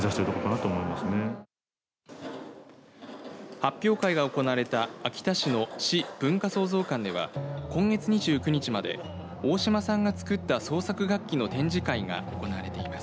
発表会が行われた秋田市の市文化創造館では今月２９日までおおしまさんが作った創作楽器の展示会が行われています。